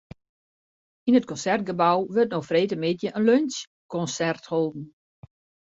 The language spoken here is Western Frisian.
Yn it Konsertgebou wurdt no freedtemiddei in lunsjkonsert holden.